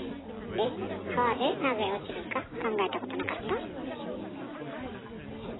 で泡でなぜ落ちるか考えたことなかった？